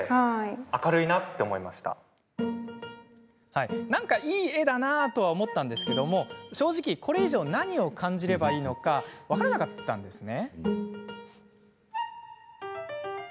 そう、なんかいい絵だなと思ったんですけど正直、これ以上何を感じればいいか分かりませんでした。